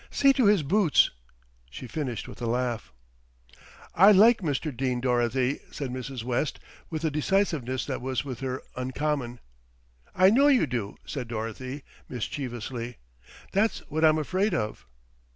see to his boots," she finished with a laugh. "I like Mr. Dene, Dorothy," said Mrs. West with a decisiveness that was with her uncommon. "I know you do," said Dorothy mischievously. "That's what I'm afraid of."